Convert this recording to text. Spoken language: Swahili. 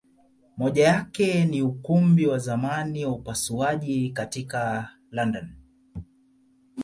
Moja yake ni Ukumbi wa zamani wa upasuaji katika London.